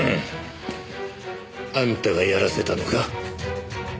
あんたがやらせたのか？